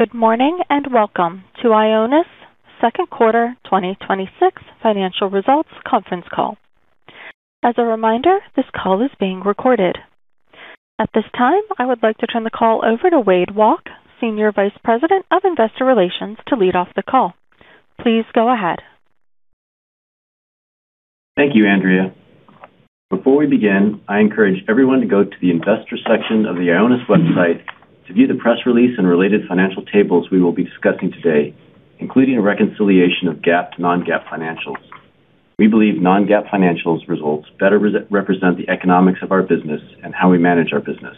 Good morning, and welcome to Ionis second quarter 2026 financial results conference call. As a reminder, this call is being recorded. At this time, I would like to turn the call over to Wade Walke, Senior Vice President of Investor Relations, to lead off the call. Please go ahead. Thank you, Andrea. Before we begin, I encourage everyone to go to the investors section of the Ionis website to view the press release and related financial tables we will be discussing today, including a reconciliation of GAAP to non-GAAP financials. We believe non-GAAP financials results better represent the economics of our business and how we manage our business.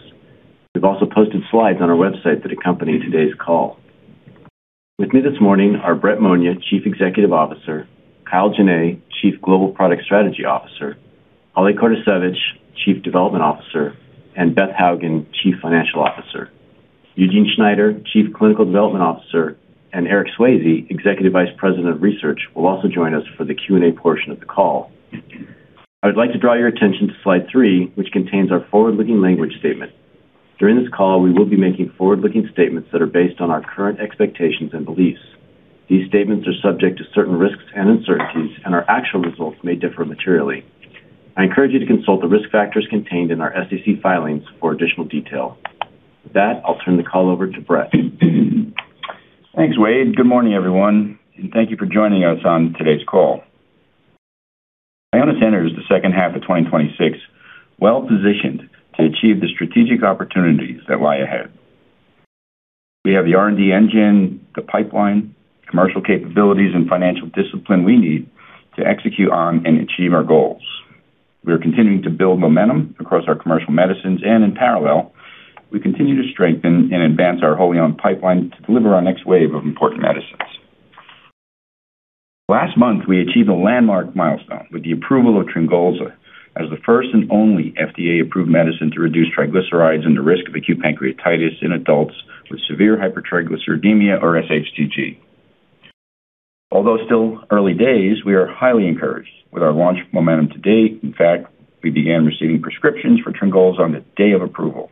We've also posted slides on our website that accompany today's call. With me this morning are Brett Monia, Chief Executive Officer, Kyle Jenne, Chief Global Product Strategy Officer, Holly Kordasiewicz, Chief Development Officer, and Beth Hougen, Chief Financial Officer. Eugene Schneider, Chief Clinical Development Officer, and Eric Swasey, Executive Vice President of Research, will also join us for the Q&A portion of the call. I would like to draw your attention to slide three, which contains our forward-looking language statement. During this call, we will be making forward-looking statements that are based on our current expectations and beliefs. These statements are subject to certain risks and uncertainties, and our actual results may differ materially. I encourage you to consult the risk factors contained in our SEC filings for additional detail. With that, I'll turn the call over to Brett. Thanks, Wade. Good morning, everyone, and thank you for joining us on today's call. Ionis enters the second half of 2026 well-positioned to achieve the strategic opportunities that lie ahead. We have the R&D engine, the pipeline, commercial capabilities, and financial discipline we need to execute on and achieve our goals. We are continuing to build momentum across our commercial medicines, and in parallel, we continue to strengthen and advance our wholly owned pipeline to deliver our next wave of important medicines. Last month, we achieved a landmark milestone with the approval of TRYNGOLZA as the first and only FDA-approved medicine to reduce triglycerides and the risk of acute pancreatitis in adults with severe hypertriglyceridemia, or sHTG. Although still early days, we are highly encouraged with our launch momentum to date. In fact, we began receiving prescriptions for TRYNGOLZA on the day of approval.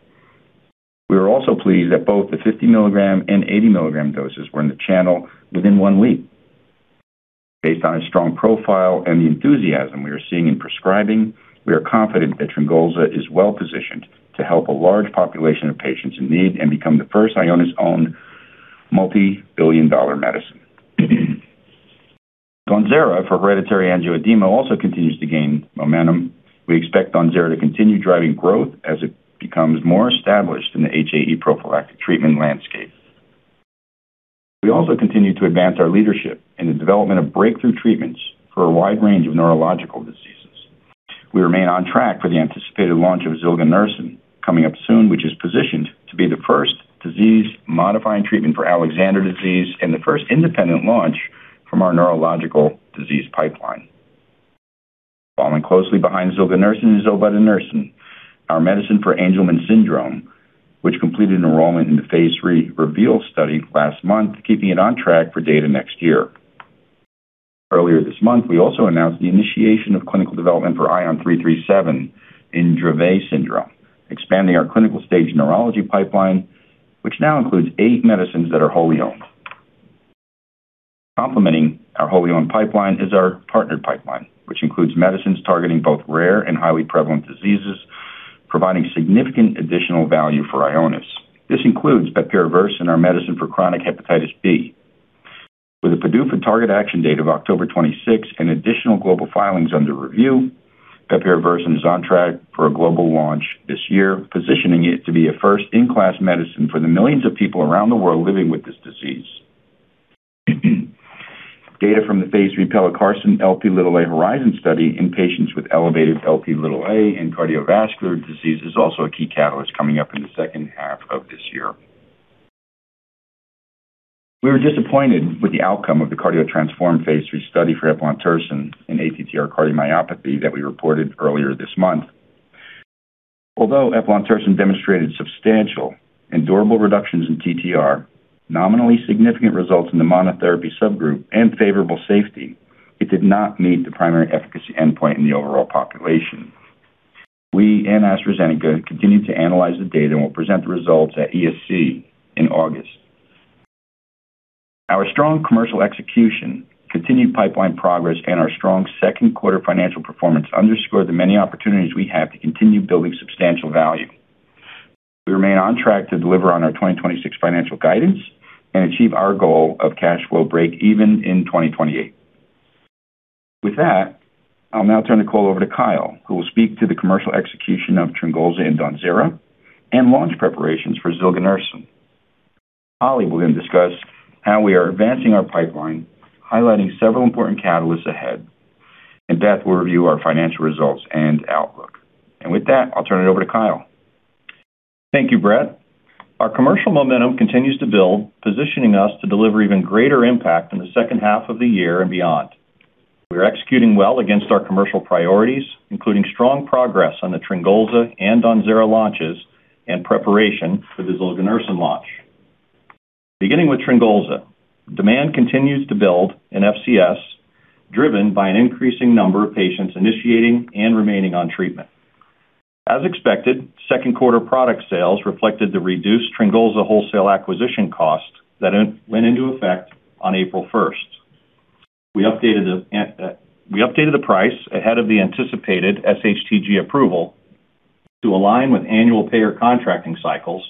We are also pleased that both the 50 milligram and 80 milligram doses were in the channel within one week. Based on a strong profile and the enthusiasm we are seeing in prescribing, we are confident that TRYNGOLZA is well-positioned to help a large population of patients in need and become the first Ionis-owned multi-billion dollar medicine. DAWNZERA for hereditary angioedema also continues to gain momentum. We expect DAWNZERA to continue driving growth as it becomes more established in the HAE prophylactic treatment landscape. We also continue to advance our leadership in the development of breakthrough treatments for a wide range of neurological diseases. We remain on track for the anticipated launch of zilganersen coming up soon, which is positioned to be the first disease-modifying treatment for Alexander disease and the first independent launch from our neurological disease pipeline. Following closely behind zilganersen is obudanersen, our medicine for Angelman syndrome, which completed an enrollment in the phase III REVEAL study last month, keeping it on track for data next year. Earlier this month, we also announced the initiation of clinical development for ION337 in Dravet syndrome, expanding our clinical stage neurology pipeline, which now includes eight medicines that are wholly owned. Complementing our wholly owned pipeline is our partnered pipeline, which includes medicines targeting both rare and highly prevalent diseases, providing significant additional value for Ionis. This includes bepirovirsen, our medicine for chronic hepatitis B. With a PDUFA target action date of October 26 and additional global filings under review, bepirovirsen is on track for a global launch this year, positioning it to be a first-in-class medicine for the millions of people around the world living with this disease. Data from the phase III pelacarsen Lp(a) HORIZON study in patients with elevated Lp(a) and cardiovascular disease is also a key catalyst coming up in the second half of this year. We were disappointed with the outcome of the CARDIO-TTRansform phase III study for eplontersen in ATTR cardiomyopathy that we reported earlier this month. Although eplontersen demonstrated substantial and durable reductions in TTR, nominally significant results in the monotherapy subgroup and favorable safety, it did not meet the primary efficacy endpoint in the overall population. We and AstraZeneca continue to analyze the data and will present the results at ESC in August. Our strong commercial execution, continued pipeline progress, and our strong second quarter financial performance underscore the many opportunities we have to continue building substantial value. We remain on track to deliver on our 2026 financial guidance and achieve our goal of cash flow breakeven in 2028. With that, I'll now turn the call over to Kyle, who will speak to the commercial execution of TRYNGOLZA and DAWNZERA and launch preparations for zilganersen. Holly will then discuss how we are advancing our pipeline, highlighting several important catalysts ahead. Beth will review our financial results and outlook. With that, I'll turn it over to Kyle. Thank you, Brett. Our commercial momentum continues to build, positioning us to deliver even greater impact in the second half of the year and beyond. We are executing well against our commercial priorities, including strong progress on the TRYNGOLZA and DAWNZERA launches and preparation for the zilganersen launch. Beginning with TRYNGOLZA, demand continues to build in FCS, driven by an increasing number of patients initiating and remaining on treatment As expected, second quarter product sales reflected the reduced TRYNGOLZA wholesale acquisition cost that went into effect on April 1st. We updated the price ahead of the anticipated sHTG approval to align with annual payer contracting cycles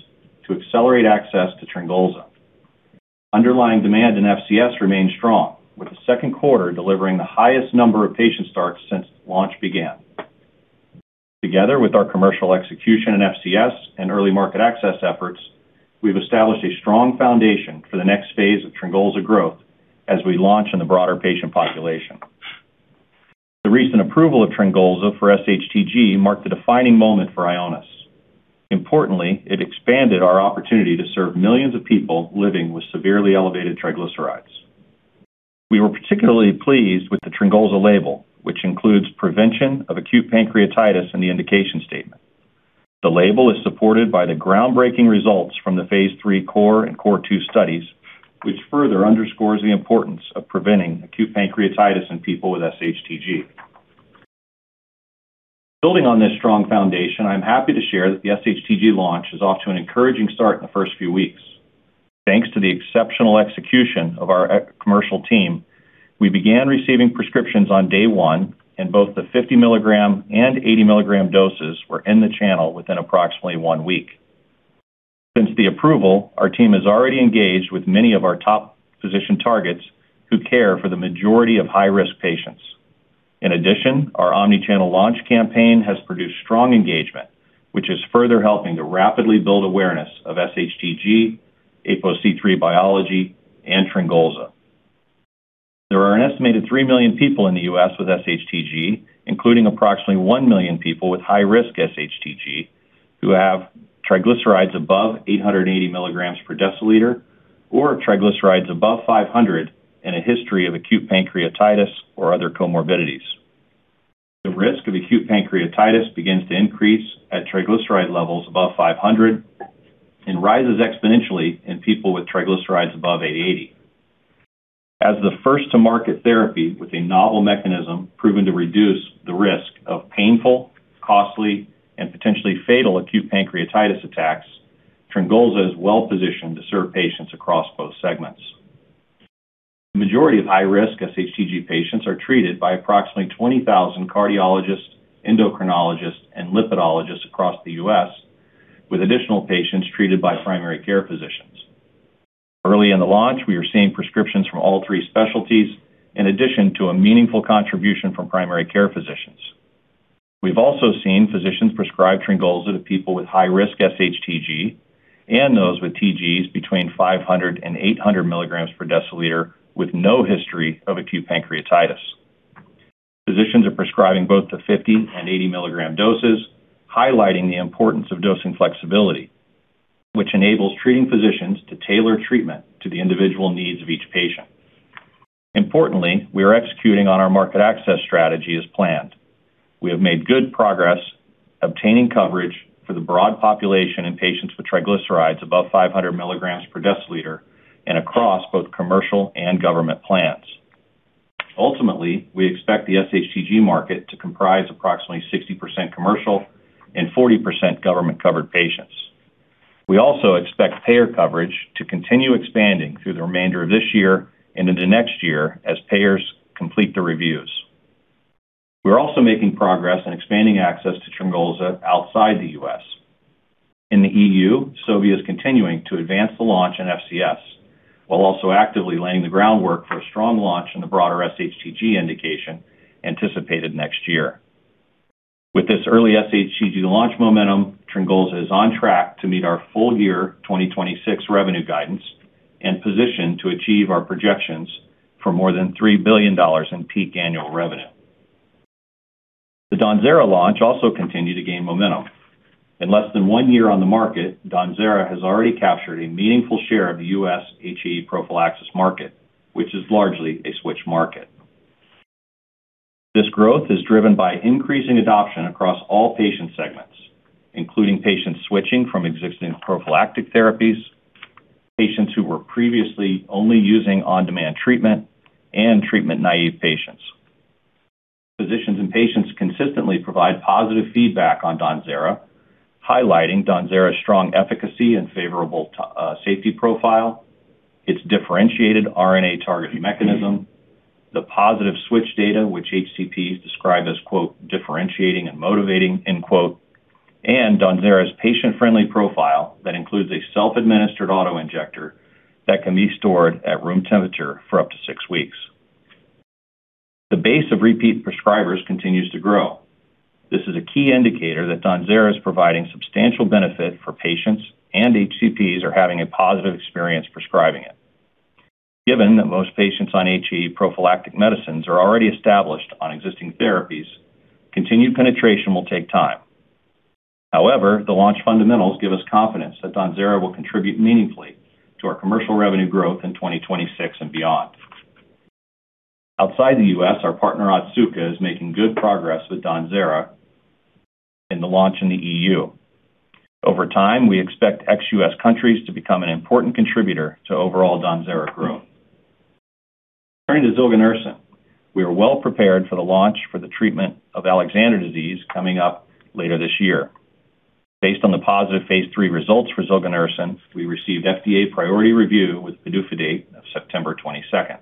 to accelerate access to TRYNGOLZA. Underlying demand in FCS remained strong, with the second quarter delivering the highest number of patient starts since launch began. Together with our commercial execution in FCS and early market access efforts, we've established a strong foundation for the next phase of TRYNGOLZA growth as we launch in the broader patient population. The recent approval of TRYNGOLZA for sHTG marked a defining moment for Ionis. Importantly, it expanded our opportunity to serve millions of people living with severely elevated triglycerides. We were particularly pleased with the TRYNGOLZA label, which includes prevention of acute pancreatitis in the indication statement. The label is supported by the groundbreaking results from the phase III CORE and CORE2 studies, which further underscores the importance of preventing acute pancreatitis in people with sHTG. Building on this strong foundation, I'm happy to share that the sHTG launch is off to an encouraging start in the first few weeks. Thanks to the exceptional execution of our commercial team, we began receiving prescriptions on day one in both the 50 milligram and 80 milligram doses were in the channel within approximately one week. Since the approval, our team has already engaged with many of our top physician targets who care for the majority of high-risk patients. In addition, our omni-channel launch campaign has produced strong engagement, which is further helping to rapidly build awareness of sHTG, APOC3 biology, and TRYNGOLZA. There are an estimated 3 million people in the U.S. with sHTG, including approximately 1 million people with high-risk sHTG who have triglycerides above 880 milligrams per deciliter, or triglycerides above 500 and a history of acute pancreatitis or other comorbidities. The risk of acute pancreatitis begins to increase at triglyceride levels above 500 and rises exponentially in people with triglycerides above 880. As the first to market therapy with a novel mechanism proven to reduce the risk of painful, costly, and potentially fatal acute pancreatitis attacks, TRYNGOLZA is well positioned to serve patients across both segments. The majority of high-risk sHTG patients are treated by approximately 20,000 cardiologists, endocrinologists, and lipidologists across the U.S., with additional patients treated by primary care physicians. Early in the launch, we are seeing prescriptions from all three specialties, in addition to a meaningful contribution from primary care physicians. We've also seen physicians prescribe TRYNGOLZA to people with high-risk sHTG and those with TGs between 500 and 800 milligrams per deciliter with no history of acute pancreatitis. Physicians are prescribing both the 50 and 80 milligram doses, highlighting the importance of dosing flexibility, which enables treating physicians to tailor treatment to the individual needs of each patient. Importantly, we are executing on our market access strategy as planned. We have made good progress obtaining coverage for the broad population in patients with triglycerides above 500 milligrams per deciliter and across both commercial and government plans. Ultimately, we expect the sHTG market to comprise approximately 60% commercial and 40% government-covered patients. We also expect payer coverage to continue expanding through the remainder of this year and into next year as payers complete their reviews. We're also making progress in expanding access to TRYNGOLZA outside the U.S. In the EU, Sobi is continuing to advance the launch in FCS, while also actively laying the groundwork for a strong launch in the broader sHTG indication anticipated next year. With this early sHTG launch momentum, TRYNGOLZA is on track to meet our full year 2026 revenue guidance and positioned to achieve our projections for more than $3 billion in peak annual revenue. The DAWNZERA launch also continued to gain momentum. In less than one year on the market, DAWNZERA has already captured a meaningful share of the U.S. HAE prophylaxis market, which is largely a switch market. This growth is driven by increasing adoption across all patient segments, including patients switching from existing prophylactic therapies, patients who were previously only using on-demand treatment, and treatment-naive patients. Physicians and patients consistently provide positive feedback on DAWNZERA, highlighting DAWNZERA's strong efficacy and favorable safety profile, its differentiated RNA targeting mechanism, the positive switch data which HCPs describe as, quote, "differentiating and motivating," end quote, and DAWNZERA's patient-friendly profile that includes a self-administered auto-injector that can be stored at room temperature for up to six weeks. The base of repeat prescribers continues to grow. This is a key indicator that DAWNZERA is providing substantial benefit for patients and HCPs are having a positive experience prescribing it. Given that most patients on HAE prophylactic medicines are already established on existing therapies, continued penetration will take time. However, the launch fundamentals give us confidence that DAWNZERA will contribute meaningfully to our commercial revenue growth in 2026 and beyond. Outside the U.S., our partner, Otsuka, is making good progress with DAWNZERA in the launch in the EU. Over time, we expect ex-U.S. countries to become an important contributor to overall DAWNZERA growth. Turning to zilganersen, we are well prepared for the launch for the treatment of Alexander disease coming up later this year. Based on the positive phase III results for zilganersen, we received FDA priority review with PDUFA date of September 22nd.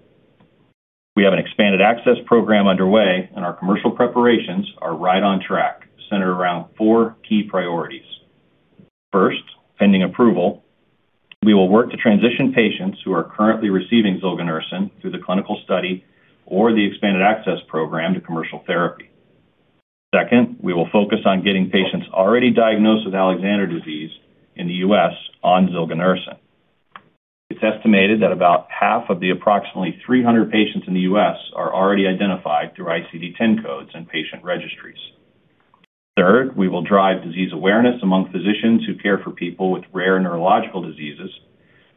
We have an expanded access program underway, and our commercial preparations are right on track, centered around four key priorities. First, pending approval, we will work to transition patients who are currently receiving zilganersen through the clinical study or the expanded access program to commercial therapy. Second, we will focus on getting patients already diagnosed with Alexander disease in the U.S. on zilganersen. It's estimated that about half of the approximately 300 patients in the U.S. are already identified through ICD-10 codes and patient registries. Third, we will drive disease awareness among physicians who care for people with rare neurological diseases,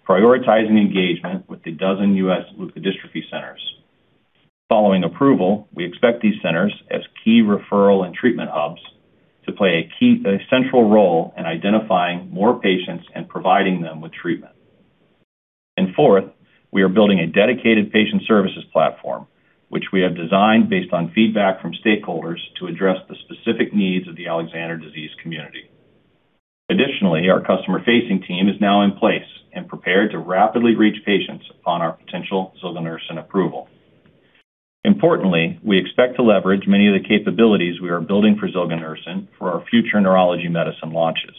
prioritizing engagement with a dozen U.S. leukodystrophy centers. Following approval, we expect these centers as key referral and treatment hubs to play a central role in identifying more patients and providing them with treatment. Fourth, we are building a dedicated patient services platform, which we have designed based on feedback from stakeholders to address the specific needs of the Alexander disease community. Additionally, our customer-facing team is now in place and prepared to rapidly reach patients upon our potential zilganersen approval. Importantly, we expect to leverage many of the capabilities we are building for zilganersen for our future neurology medicine launches.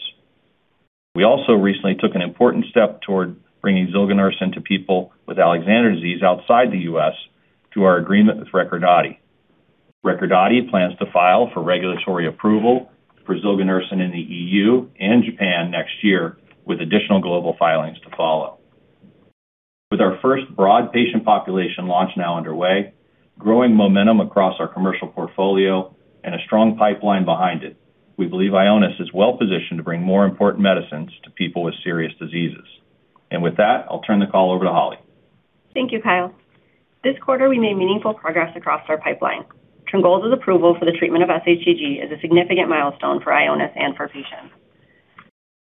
We also recently took an important step toward bringing zilganersen to people with Alexander disease outside the U.S. through our agreement with Recordati. Recordati plans to file for regulatory approval for zilganersen in the EU and Japan next year, with additional global filings to follow. With our first broad patient population launch now underway, growing momentum across our commercial portfolio, and a strong pipeline behind it, we believe Ionis is well-positioned to bring more important medicines to people with serious diseases. With that, I'll turn the call over to Holly. Thank you, Kyle. This quarter, we made meaningful progress across our pipeline. TRYNGOLZA's approval for the treatment of sHTG is a significant milestone for Ionis and for patients.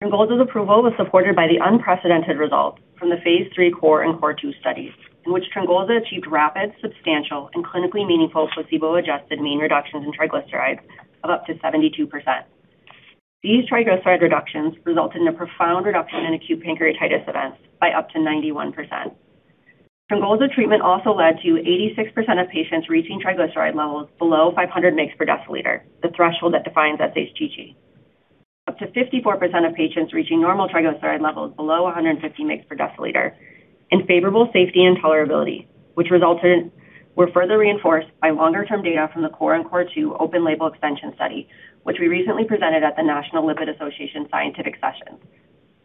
TRYNGOLZA's approval was supported by the unprecedented results from the phase III CORE and CORE2 studies in which TRYNGOLZA achieved rapid, substantial, and clinically meaningful placebo-adjusted mean reductions in triglycerides of up to 72%. These triglyceride reductions resulted in a profound reduction in acute pancreatitis events by up to 91%. TRYNGOLZA's treatment also led to 86% of patients reaching triglyceride levels below 500 mg per deciliter, the threshold that defines sHTG. Up to 54% of patients reaching normal triglyceride levels below 150 mg per deciliter in favorable safety and tolerability, which were further reinforced by longer-term data from the CORE and CORE2 open label expansion study, which we recently presented at the National Lipid Association scientific sessions.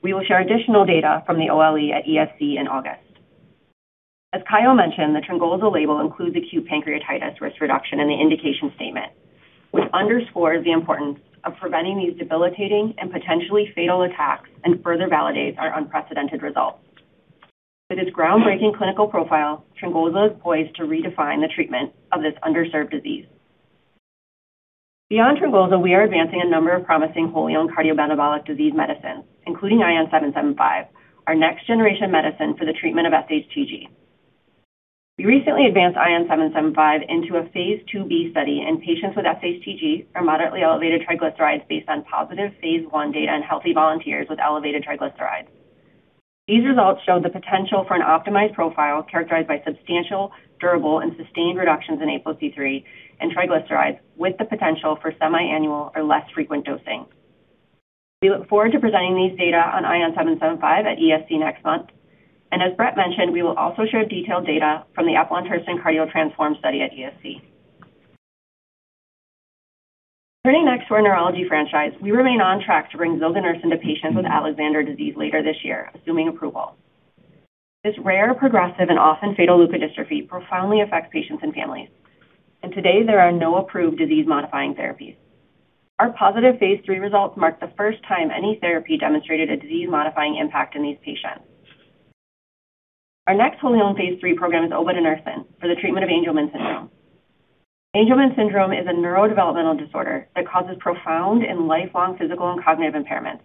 We will share additional data from the OLE at ESC in August. As Kyle mentioned, the TRYNGOLZA label includes acute pancreatitis risk reduction in the indication statement, which underscores the importance of preventing these debilitating and potentially fatal attacks and further validates our unprecedented results. With its groundbreaking clinical profile, TRYNGOLZA is poised to redefine the treatment of this underserved disease. Beyond TRYNGOLZA, we are advancing a number of promising wholly-owned cardiometabolic disease medicines, including ION775, our next-generation medicine for the treatment of sHTG. We recently advanced ION775 into a phase IIb study in patients with sHTG or moderately elevated triglycerides based on positive phase I data in healthy volunteers with elevated triglycerides. These results show the potential for an optimized profile characterized by substantial, durable, and sustained reductions in APOC3 and triglycerides with the potential for semiannual or less frequent dosing. We look forward to presenting these data on ION775 at ESC next month. As Brett mentioned, we will also share detailed data from the eplontersen CARDIO-TTRansform study at ESC. Turning next to our neurology franchise, we remain on track to bring zilganersen to patients with Alexander disease later this year, assuming approval. This rare, progressive, and often fatal leukodystrophy profoundly affects patients and families, and today there are no approved disease-modifying therapies. Our positive phase III results marked the first time any therapy demonstrated a disease-modifying impact in these patients. Our next wholly owned phase III program is obudanersen for the treatment of Angelman syndrome. Angelman syndrome is a neurodevelopmental disorder that causes profound and lifelong physical and cognitive impairments,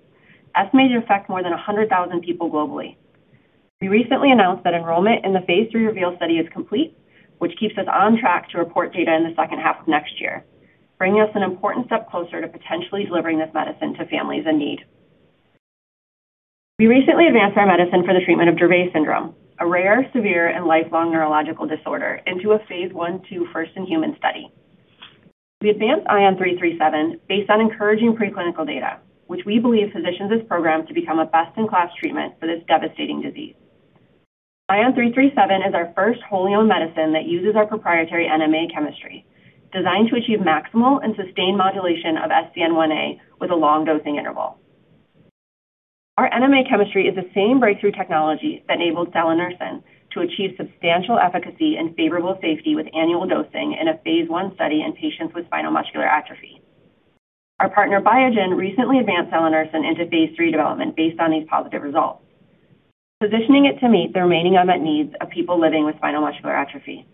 estimated to affect more than 100,000 people globally. We recently announced that enrollment in the phase III REVEAL study is complete, which keeps us on track to report data in the second half of next year, bringing us an important step closer to potentially delivering this medicine to families in need. We recently advanced our medicine for the treatment of Dravet syndrome, a rare, severe, and lifelong neurological disorder, into a phase I/II first-in-human study. We advanced ION337 based on encouraging preclinical data, which we believe positions this program to become a best-in-class treatment for this devastating disease. ION337 is our first wholly owned medicine that uses our proprietary NMA chemistry, designed to achieve maximal and sustained modulation of SCN1A with a long dosing interval. Our NMA chemistry is the same breakthrough technology that enabled salanersen to achieve substantial efficacy and favorable safety with annual dosing in a phase I study in patients with spinal muscular atrophy. Our partner, Biogen, recently advanced salanersen into phase III development based on these positive results, positioning it to meet the remaining unmet needs of people living with spinal muscular atrophy.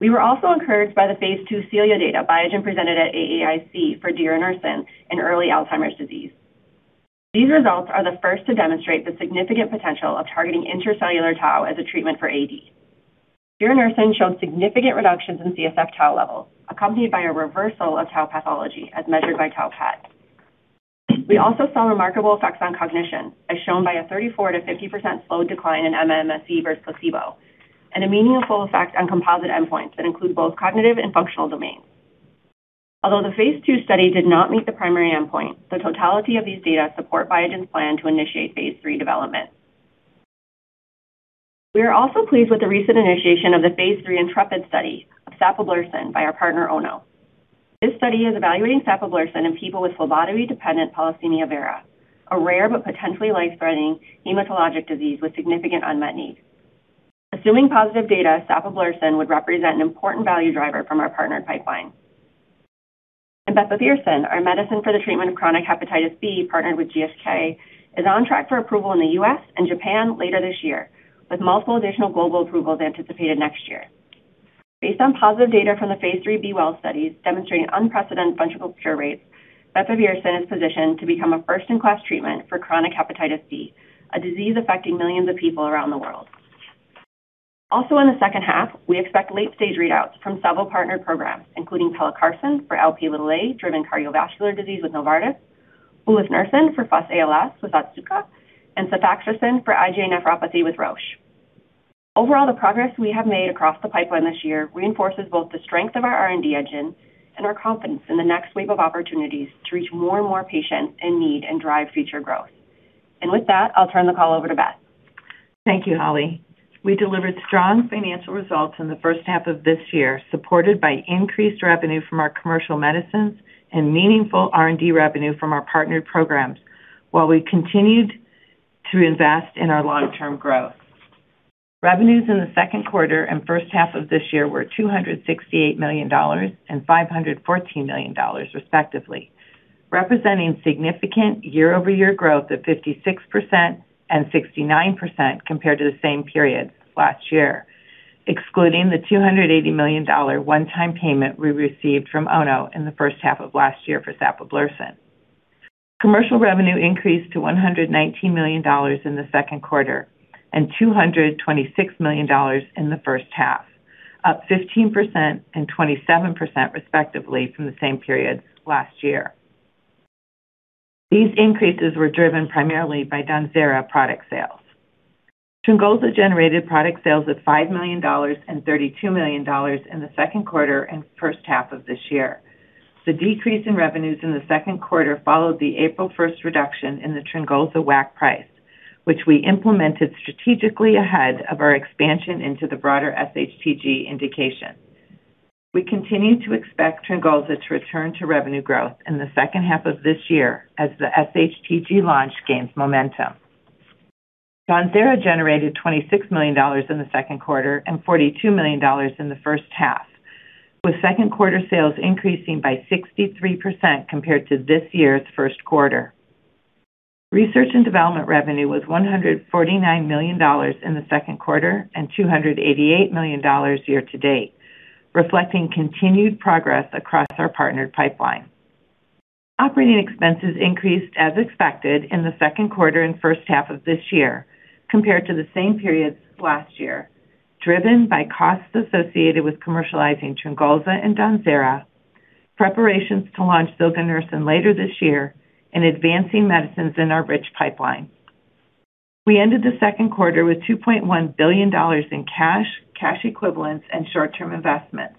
We were also encouraged by the phase II CELIA data Biogen presented at AAIC for diranersen in early Alzheimer's disease. These results are the first to demonstrate the significant potential of targeting intracellular tau as a treatment for AD. Diranersen showed significant reductions in CSF tau levels, accompanied by a reversal of tau pathology as measured by tau PET. We also saw remarkable effects on cognition, as shown by a 34%-50% slowed decline in MMSE versus placebo, and a meaningful effect on composite endpoints that include both cognitive and functional domains. Although the phase II study did not meet the primary endpoint, the totality of these data support Biogen's plan to initiate phase III development. We are also pleased with the recent initiation of the phase III INTREPID study of sapablursen by our partner Ono. This study is evaluating sapablursen in people with phlebotomy-dependent polycythemia vera, a rare but potentially life-threatening hematologic disease with significant unmet need. Assuming positive data, sapablursen would represent an important value driver from our partnered pipeline. Bepirovirsen, our medicine for the treatment of chronic hepatitis B, partnered with GSK, is on track for approval in the U.S. and Japan later this year, with multiple additional global approvals anticipated next year. Based on positive data from the phase III B-Well studies demonstrating unprecedented functional cure rates, bepirovirsen is positioned to become a first-in-class treatment for chronic hepatitis B, a disease affecting millions of people around the world. We delivered strong financial results in the first half of this year, supported by increased revenue from our commercial medicines and meaningful R&D revenue from our partnered programs, while we continued to invest in our long-term growth. Revenues in the second quarter and first half of this year were $268 million and $514 million respectively, representing significant year-over-year growth of 56% and 69% compared to the same period last year, excluding the $280 million one-time payment we received from Ono in the first half of last year for sapablursen. Commercial revenue increased to $119 million in the second quarter and $226 million in the first half, up 15% and 27% respectively from the same period last year. These increases were driven primarily by DAWNZERA product sales. TRYNGOLZA generated product sales of $5 million and $32 million in the second quarter and first half of this year. The decrease in revenues in the second quarter followed the April 1st reduction in the TRYNGOLZA WAC price, which we implemented strategically ahead of our expansion into the broader sHTG indication. We continue to expect TRYNGOLZA to return to revenue growth in the second half of this year as the sHTG launch gains momentum. DAWNZERA generated $26 million in the second quarter and $42 million in the first half, with second quarter sales increasing by 63% compared to this year's first quarter. Research and development revenue was $149 million in the second quarter and $288 million year to date, reflecting continued progress across our partnered pipeline. Operating expenses increased as expected in the second quarter and first half of this year compared to the same periods last year, driven by costs associated with commercializing TRYNGOLZA and DAWNZERA, preparations to launch zilganersen later this year, and advancing medicines in our rich pipeline. We ended the second quarter with $2.1 billion in cash equivalents, and short-term investments,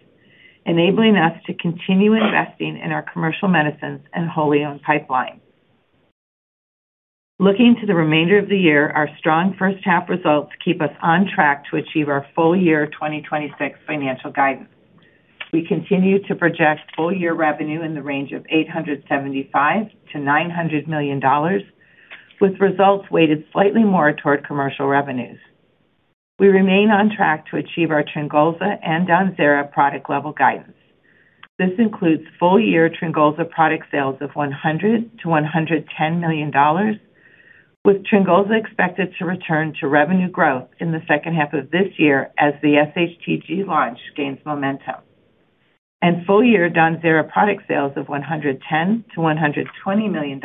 enabling us to continue investing in our commercial medicines and wholly-owned pipeline. Looking to the remainder of the year, our strong first half results keep us on track to achieve our full year 2026 financial guidance. We continue to project full year revenue in the range of $875 million-$900 million, with results weighted slightly more toward commercial revenues. We remain on track to achieve our TRYNGOLZA and DAWNZERA product level guidance. This includes full year TRYNGOLZA product sales of $100 million-$110 million, with TRYNGOLZA expected to return to revenue growth in the second half of this year as the sHTG launch gains momentum, and full year DAWNZERA product sales of $110 million-$120 million,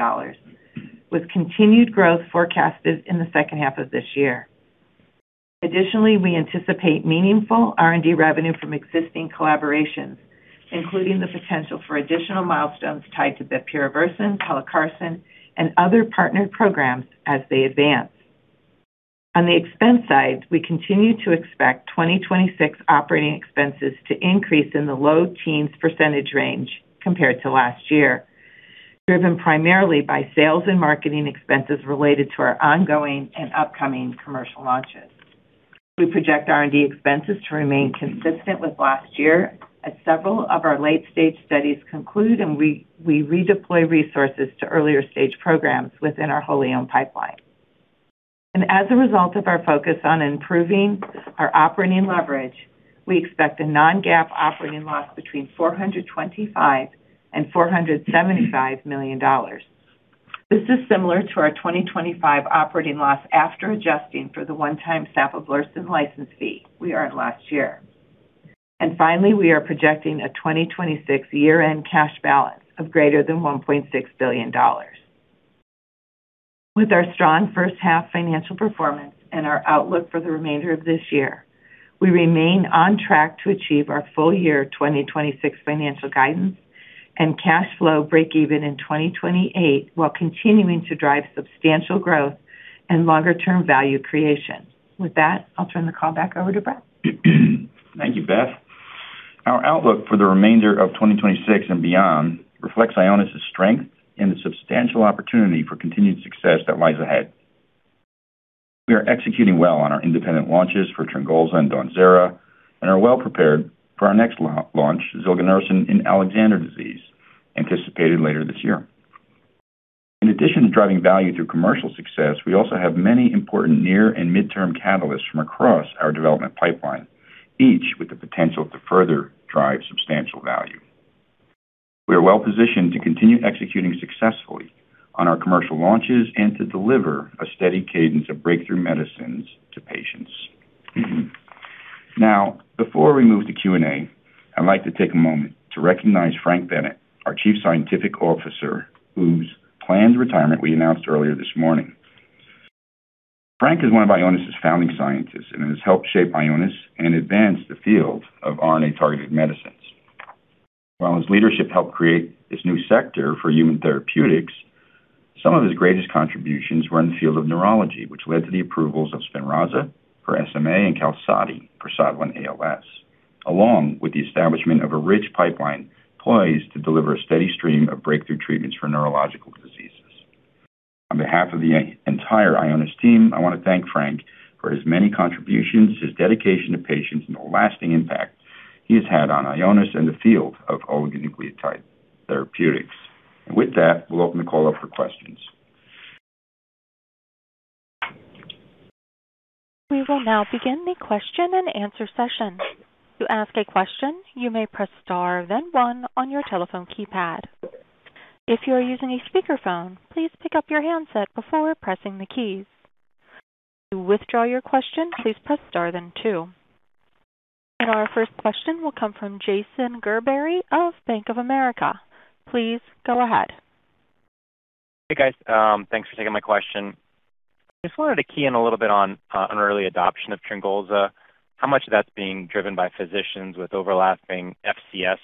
with continued growth forecasted in the second half of this year. Additionally, we anticipate meaningful R&D revenue from existing collaborations, including the potential for additional milestones tied to bepirovirsen, pelacarsen, and other partnered programs as they advance. On the expense side, we continue to expect 2026 operating expenses to increase in the low teens percentage range compared to last year, driven primarily by sales and marketing expenses related to our ongoing and upcoming commercial launches. We project R&D expenses to remain consistent with last year as several of our late-stage studies conclude and we redeploy resources to earlier-stage programs within our wholly owned pipeline. As a result of our focus on improving our operating leverage, we expect a non-GAAP operating loss between $425 million and $475 million. This is similar to our 2025 operating loss after adjusting for the one-time sapablursen license fee we earned last year. Finally, we are projecting a 2026 year-end cash balance of greater than $1.6 billion. With our strong first half financial performance and our outlook for the remainder of this year, we remain on track to achieve our full year 2026 financial guidance and cash flow breakeven in 2028, while continuing to drive substantial growth and longer-term value creation. With that, I'll turn the call back over to Brett. Thank you, Beth. Our outlook for the remainder of 2026 and beyond reflects Ionis' strength and the substantial opportunity for continued success that lies ahead. We are executing well on our independent launches for TRYNGOLZA and DAWNZERA, are well-prepared for our next launch, zilganersen in Alexander disease, anticipated later this year. In addition to driving value through commercial success, we also have many important near and mid-term catalysts from across our development pipeline, each with the potential to further drive substantial value. We are well-positioned to continue executing successfully on our commercial launches and to deliver a steady cadence of breakthrough medicines to patients. Now, before we move to Q&A, I'd like to take a moment to recognize Frank Bennett, our Chief Scientific Officer, whose planned retirement we announced earlier this morning. Frank is one of Ionis' founding scientists, has helped shape Ionis and advance the field of RNA-targeted medicines. While his leadership helped create this new sector for human therapeutics, some of his greatest contributions were in the field of neurology, which led to the approvals of SPINRAZA for SMA and QALSODY for SOD1-ALS, along with the establishment of a rich pipeline poised to deliver a steady stream of breakthrough treatments for neurological diseases. On behalf of the entire Ionis team, I want to thank Frank for his many contributions, his dedication to patients, and the lasting impact he has had on Ionis and the field of oligonucleotide therapeutics. With that, we'll open the call up for questions. We will now begin the question and answer session. To ask a question, you may press star then one on your telephone keypad. If you are using a speakerphone, please pick up your handset before pressing the keys. To withdraw your question, please press star then two. Our first question will come from Jason Gerberry of Bank of America. Please go ahead. Hey, guys. Thanks for taking my question. Just wanted to key in a little bit on early adoption of TRYNGOLZA. How much of that's being driven by physicians with overlapping FCS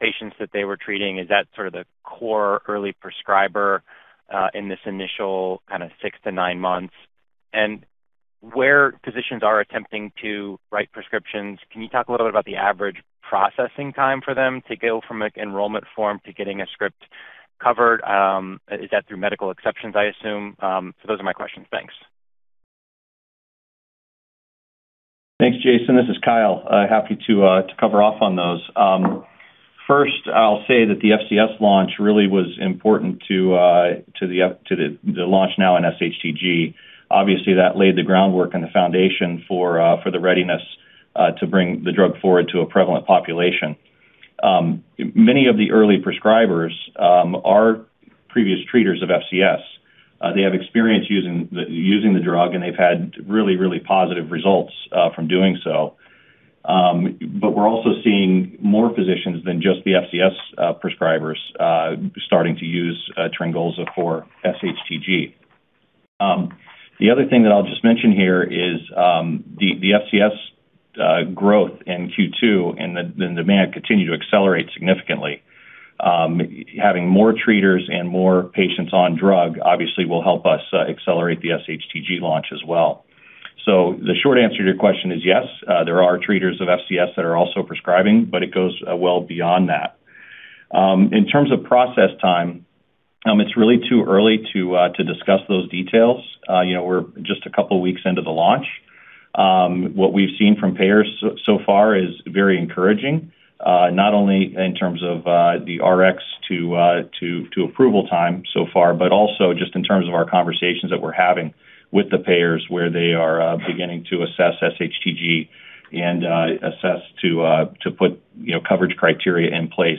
patients that they were treating? Is that sort of the core early prescriber, in this initial kind of six to nine months? Where physicians are attempting to write prescriptions, can you talk a little bit about the average processing time for them to go from an enrollment form to getting a script covered? Is that through medical exceptions, I assume? Those are my questions. Thanks. Thanks, Jason. This is Kyle. Happy to cover off on those. First, I'll say that the FCS launch really was important to the launch now in sHTG. Obviously, that laid the groundwork and the foundation for the readiness to bring the drug forward to a prevalent population. Many of the early prescribers are previous treaters of FCS. They have experience using the drug, they've had really, really positive results from doing so. We're also seeing more physicians than just the FCS prescribers starting to use TRYNGOLZA for sHTG. The other thing that I'll just mention here is the FCS growth in Q2 and the demand continued to accelerate significantly. Having more treaters and more patients on drug obviously will help us accelerate the sHTG launch as well. The short answer to your question is yes, there are treaters of FCS that are also prescribing. It goes well beyond that. In terms of process time, it's really too early to discuss those details. We're just a couple weeks into the launch. What we've seen from payers so far is very encouraging, not only in terms of the Rx to approval time so far, but also just in terms of our conversations that we're having with the payers, where they are beginning to assess sHTG and assess to put coverage criteria in place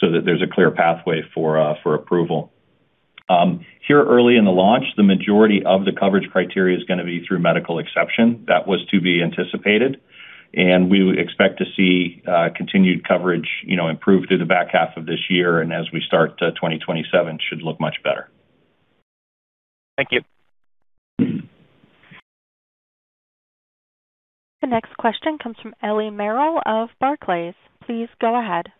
so that there's a clear pathway for approval. Here early in the launch, the majority of the coverage criteria is going to be through medical exception. That was to be anticipated. We expect to see continued coverage improve through the back half of this year. As we start 2027 should look much better. Thank you. The next question comes from Ellie Merle of Barclays. Please go ahead.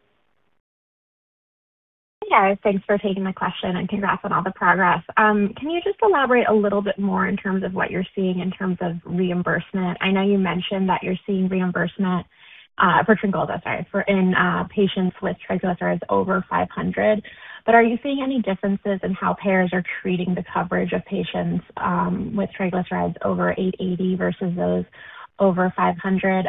Hey, guys. Thanks for taking the question and congrats on all the progress. Can you just elaborate a little bit more in terms of what you're seeing in terms of reimbursement? I know you mentioned that you're seeing reimbursement for TRYNGOLZA, sorry, in patients with triglycerides over 500. Are you seeing any differences in how payers are treating the coverage of patients with triglycerides over 880 versus those over 500?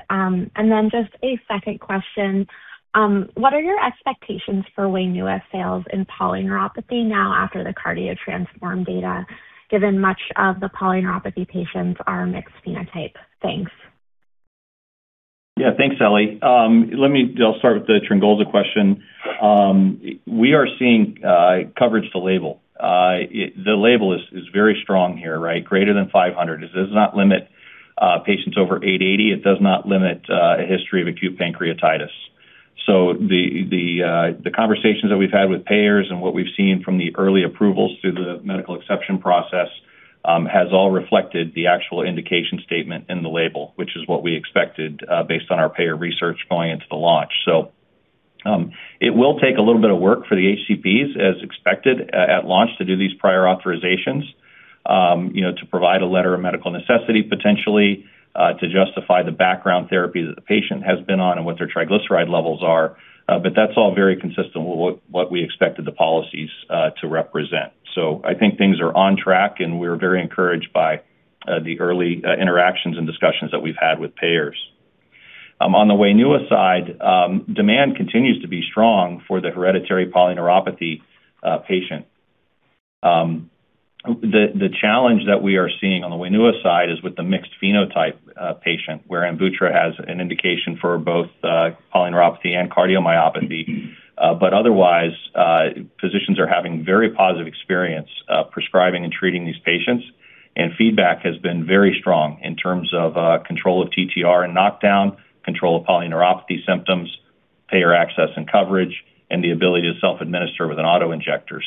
Just a second question. What are your expectations for WAINUA sales in polyneuropathy now after the CARDIO-TTRansform data, given much of the polyneuropathy patients are mixed phenotype? Thanks. Yeah. Thanks, Ellie. I'll start with the TRYNGOLZA question. We are seeing coverage to label. The label is very strong here, right? Greater than 500. It does not limit patients over 880. It does not limit a history of acute pancreatitis. The conversations that we've had with payers and what we've seen from the early approvals through the medical exception process has all reflected the actual indication statement in the label, which is what we expected based on our payer research going into the launch. It will take a little bit of work for the HCPs, as expected at launch, to do these prior authorizations to provide a letter of medical necessity potentially to justify the background therapy that the patient has been on and what their triglyceride levels are. That's all very consistent with what we expected the policies to represent. I think things are on track, and we're very encouraged by the early interactions and discussions that we've had with payers. On the WAINUA side, demand continues to be strong for the hereditary polyneuropathy patient. The challenge that we are seeing on the WAINUA side is with the mixed phenotype patient, where AMVUTTRA has an indication for both polyneuropathy and cardiomyopathy. Otherwise, physicians are having very positive experience prescribing and treating these patients, and feedback has been very strong in terms of control of TTR and knockdown, control of polyneuropathy symptoms, payer access and coverage, and the ability to self-administer with an auto-injector.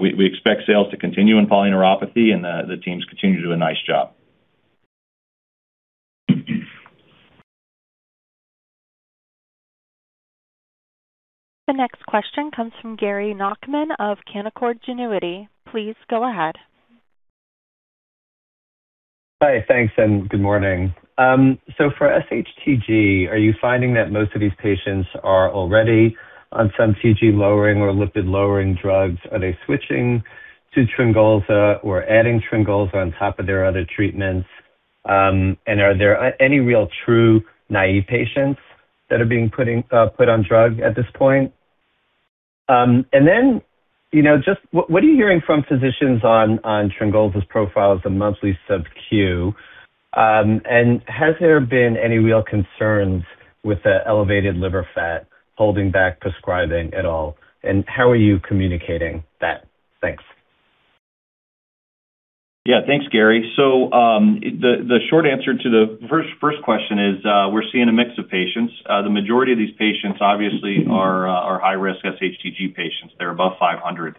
We expect sales to continue in polyneuropathy and the teams continue to do a nice job. The next question comes from Gary Nachman of Canaccord Genuity. Please go ahead. Hi. Thanks and good morning. For sHTG, are you finding that most of these patients are already on some TG-lowering or lipid-lowering drugs? Are they switching to TRYNGOLZA or adding TRYNGOLZA on top of their other treatments? Are there any real true naive patients that are being put on drug at this point? What are you hearing from physicians on TRYNGOLZA's profile as a monthly sub Q? Has there been any real concerns with the elevated liver fat holding back prescribing at all? How are you communicating that? Thanks. Thanks, Gary. The short answer to the first question is we're seeing a mix of patients. The majority of these patients obviously are high-risk sHTG patients. They're above 500.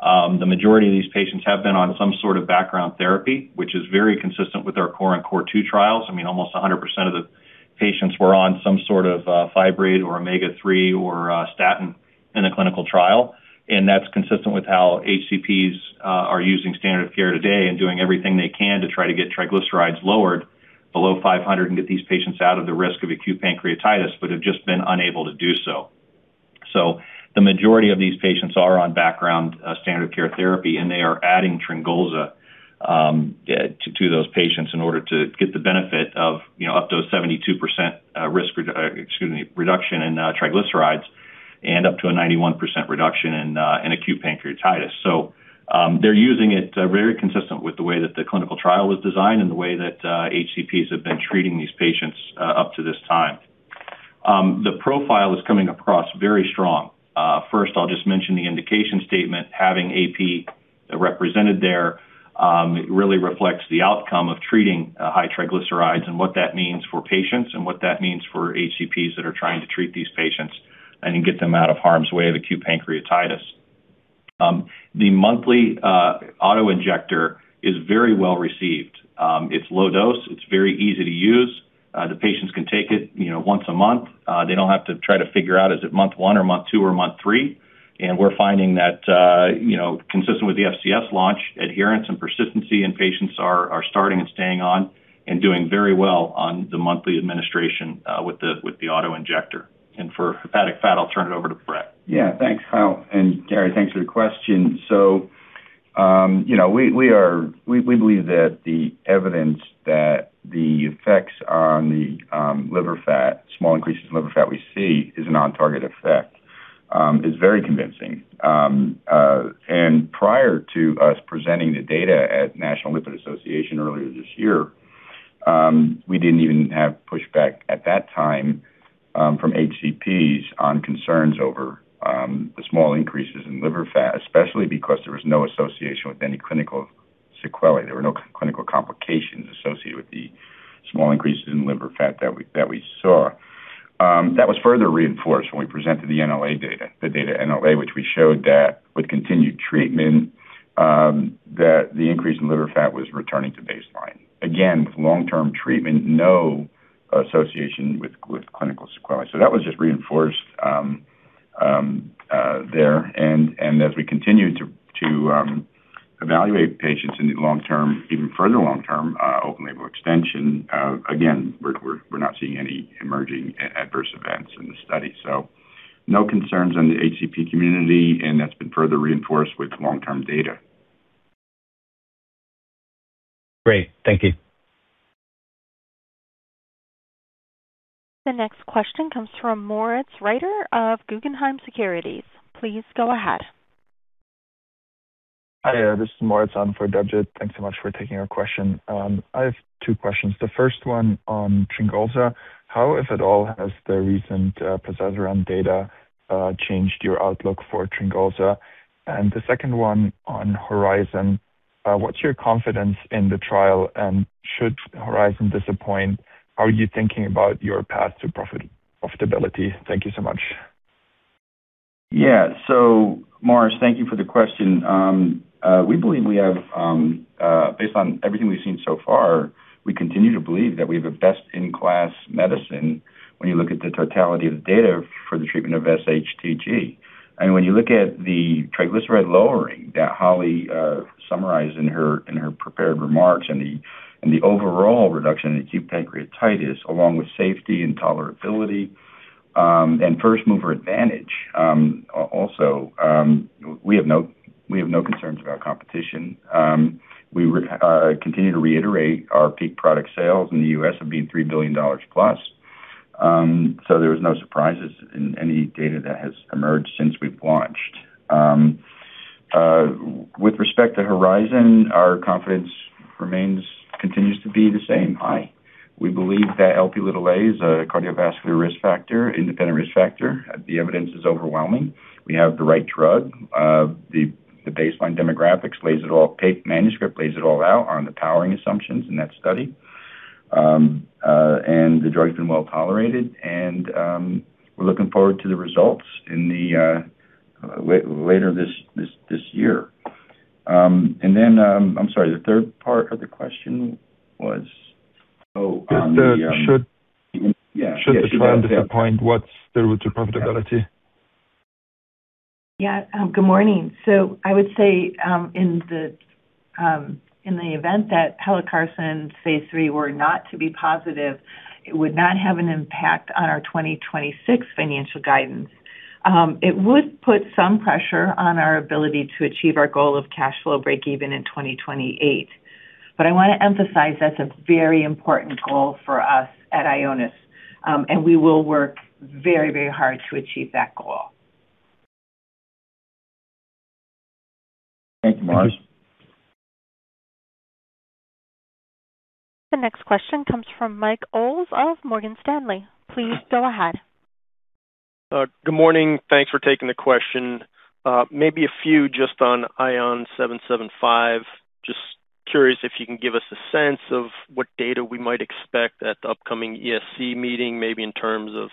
The majority of these patients have been on some sort of background therapy, which is very consistent with our CORE and CORE2 trials. Almost 100% of the patients were on some sort of fibrate or omega-3 or statin in the clinical trial. That's consistent with how HCPs are using standard care today and doing everything they can to try to get triglycerides lowered below 500 and get these patients out of the risk of acute pancreatitis, but have just been unable to do so. The majority of these patients are on background standard care therapy. They are adding TRYNGOLZA to those patients in order to get the benefit of up to a 72% reduction in triglycerides and up to a 91% reduction in acute pancreatitis. They're using it very consistent with the way that the clinical trial was designed and the way that HCPs have been treating these patients up to this time. The profile is coming across very strong. First, I'll just mention the indication statement. Having AP represented there really reflects the outcome of treating high triglycerides and what that means for patients and what that means for HCPs that are trying to treat these patients and get them out of harm's way of acute pancreatitis. The monthly auto-injector is very well received. It's low dose. It's very easy to use. The patients can take it once a month. They don't have to try to figure out is it month one or month two or month three. We're finding that consistent with the FCS launch adherence and persistency in patients are starting and staying on and doing very well on the monthly administration with the auto-injector. For hepatic fat, I'll turn it over to Brett. Yeah. Thanks, Kyle. Gary, thanks for the question. We believe that the evidence that the effects on the liver fat, small increases in liver fat we see is an on-target effect is very convincing. Prior to us presenting the data at National Lipid Association earlier this year, we didn't even have pushback at that time from HCPs on concerns over the small increases in liver fat, especially because there was no association with any clinical sequelae. There were no clinical complications associated with the small increases in liver fat that we saw. That was further reinforced when we presented the NLA data, which we showed that with continued treatment, that the increase in liver fat was returning to baseline. Again, with long-term treatment, no association with clinical sequelae. That was just reinforced there. As we continue to evaluate patients in the long-term, even further long-term open label extension, again, we're not seeing any emerging adverse events in the study. No concerns on the HCP community, and that's been further reinforced with long-term data. Great. Thank you. The next question comes from Moritz Reiter of Guggenheim Securities. Please go ahead. Hi, this is Moritz. Thanks so much for taking our question. I have two questions. The first one on TRYNGOLZA. How, if at all, has the recent plozasiran data changed your outlook for TRYNGOLZA? The second one on HORIZON. What's your confidence in the trial? Should HORIZON disappoint, are you thinking about your path to profitability? Thank you so much. Moritz, thank you for the question. Based on everything we've seen so far, we continue to believe that we have a best-in-class medicine when you look at the totality of the data for the treatment of sHTG. When you look at the triglyceride lowering that Holly summarized in her prepared remarks, and the overall reduction in acute pancreatitis, along with safety and tolerability, and first-mover advantage also, we have no concerns about competition. We continue to reiterate our peak product sales in the U.S. will be $3 billion plus. There was no surprises in any data that has emerged since we've launched. With respect to HORIZON, our confidence continues to be the same, high. We believe that Lp is a cardiovascular risk factor, independent risk factor. The evidence is overwhelming. We have the right drug. The baseline demographics lays it all out. The manuscript lays it all out on the powering assumptions in that study. The drug's been well-tolerated, and we're looking forward to the results later this year. I'm sorry, the third part of the question was? Should the trial disappoint, what's the route to profitability? Good morning. I would say, in the event that pelacarsen phase III were not to be positive, it would not have an impact on our 2026 financial guidance. It would put some pressure on our ability to achieve our goal of cash flow breakeven in 2028. I want to emphasize that's a very important goal for us at Ionis, and we will work very hard to achieve that goal. Thank you, Moritz. Thank you. The next question comes from Mike Ulz of Morgan Stanley. Please go ahead. Good morning. Thanks for taking the question. Maybe a few just on ION775. Just curious if you can give us a sense of what data we might expect at the upcoming ESC meeting, maybe in terms of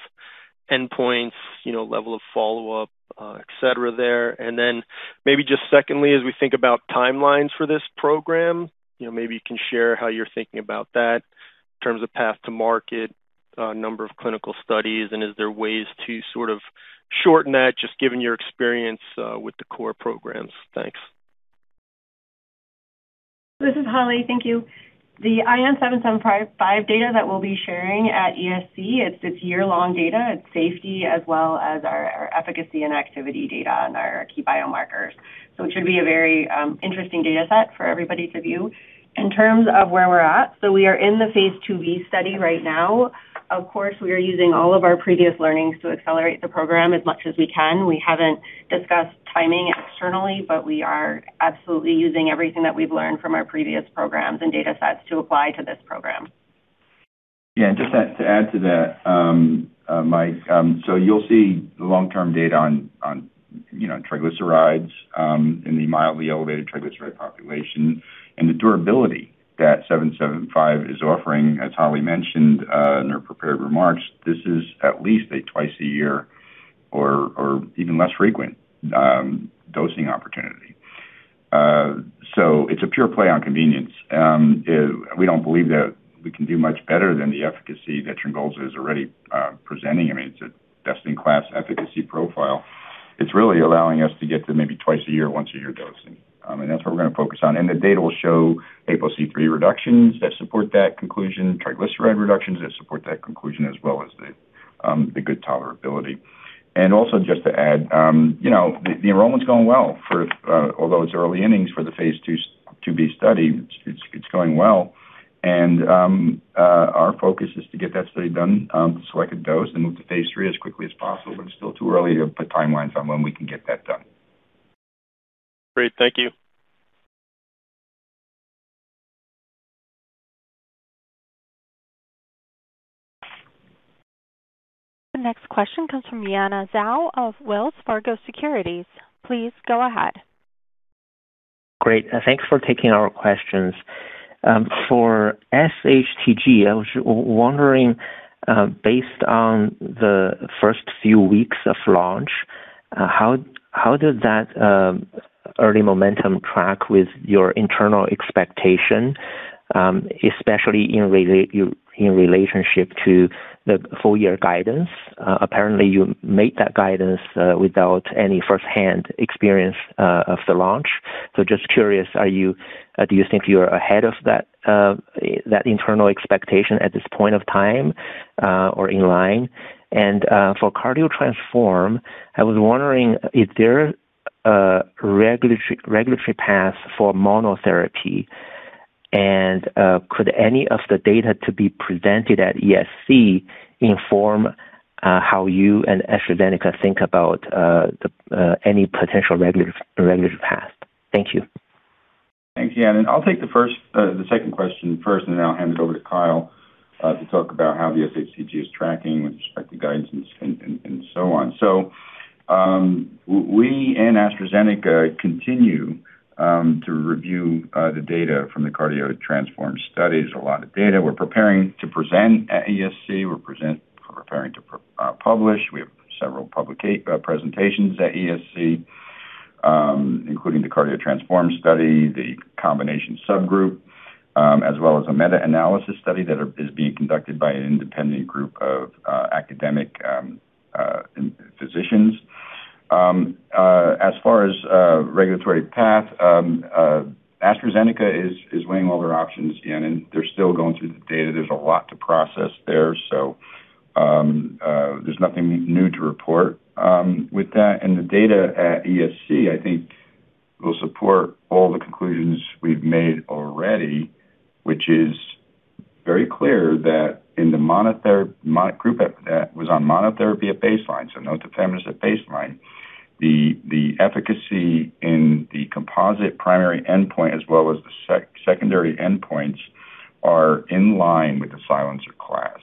endpoints, level of follow-up, et cetera there. Maybe just secondly, as we think about timelines for this program, maybe you can share how you're thinking about that in terms of path to market, number of clinical studies, and is there ways to sort of shorten that just given your experience with the CORE programs? Thanks. This is Holly. Thank you. The ION775 data that we'll be sharing at ESC, it's year-long data. It's safety as well as our efficacy and activity data on our key biomarkers. It should be a very interesting data set for everybody to view. In terms of where we're at, we are in the phase II-B study right now. Of course, we are using all of our previous learnings to accelerate the program as much as we can. We haven't discussed timing externally, but we are absolutely using everything that we've learned from our previous programs and data sets to apply to this program. Just to add to that, Mike, you'll see the long-term data on triglycerides in the mildly elevated triglyceride population and the durability that 775 is offering, as Holly mentioned in her prepared remarks. This is at least a twice-a-year or even less frequent dosing opportunity. It's a pure play on convenience. We don't believe that we can do much better than the efficacy that TRYNGOLZA is already presenting. It's a best-in-class efficacy profile. It's really allowing us to get to maybe twice-a-year, once-a-year dosing. That's what we're going to focus on. The data will show APOC3 reductions that support that conclusion, triglyceride reductions that support that conclusion, as well as the good tolerability. Just to add, the enrollment's going well. Although it's early innings for the phase II-B study, it's going well. Our focus is to get that study done, selected dose, and move to phase III as quickly as possible, but it's still too early to put timelines on when we can get that done. Great. Thank you. The next question comes from Yanan Zhu of Wells Fargo Securities. Please go ahead. Great. Thanks for taking our questions. For sHTG, I was wondering, based on the first few weeks of launch, how did that early momentum track with your internal expectation, especially in relationship to the full year guidance? Apparently, you made that guidance without any first-hand experience of the launch. Just curious, do you think you're ahead of that internal expectation at this point of time, or in line? For CARDIO-TTRansform, I was wondering, is there a regulatory path for monotherapy? Could any of the data to be presented at ESC inform how you and AstraZeneca think about any potential regulatory path? Thank you. Thanks, Yanan. I'll take the second question first, then I'll hand it over to Kyle to talk about how the sHTG is tracking with respect to guidance and so on. We and AstraZeneca continue to review the data from the CARDIO-TTRansform studies, a lot of data we're preparing to present at ESC. We're preparing to publish. We have several presentations at ESC including the CARDIO-TTRansform study, the combination subgroup as well as a meta-analysis study that is being conducted by an independent group of academic physicians. As far as regulatory path, AstraZeneca is weighing all their options, Yanan. They're still going through the data. There's a lot to process there. There's nothing new to report with that. The data at ESC, I think will support all the conclusions we've made already, which is very clear that in the mono group that was on monotherapy at baseline, so no tafamidis at baseline, the efficacy in the composite primary endpoint as well as the secondary endpoints are in line with the silencer class.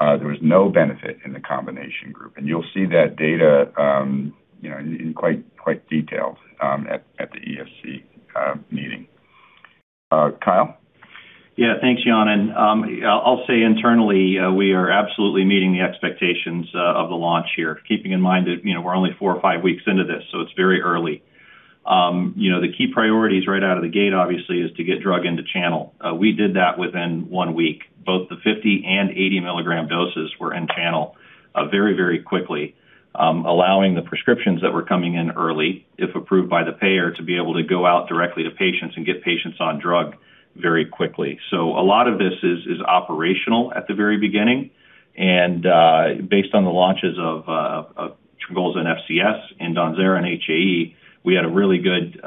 There was no benefit in the combination group. You'll see that data in quite detailed at the ESC meeting. Kyle? Yeah. Thanks, Yanan. I'll say internally we are absolutely meeting the expectations of the launch here, keeping in mind that we're only four or five weeks into this, it's very early. The key priorities right out of the gate, obviously, is to get drug into channel. We did that within one week. Both the 50 and 80 milligram doses were in channel very quickly allowing the prescriptions that were coming in early, if approved by the payer, to be able to go out directly to patients and get patients on drug very quickly. A lot of this is operational at the very beginning. Based on the launches of TRYNGOLZA and FCS and DAWNZERA and HAE, we had a really good